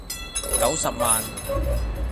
九十萬